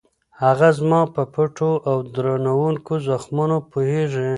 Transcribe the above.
هغه زما په پټو او دردوونکو زخمونو پوهېږي.